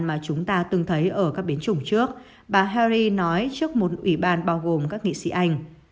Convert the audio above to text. mà chúng ta từng thấy ở các biến chủng trước bà hari nói trước một ủy ban bao gồm các nghị sĩ anh